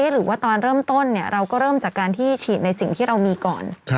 หรือว่าตอนเริ่มต้นเราก็เริ่มจากการที่ฉีดในสิ่งที่เรามีก่อน